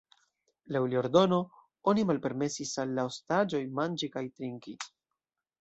Laŭ lia ordono oni malpermesis al la ostaĝoj manĝi kaj trinki.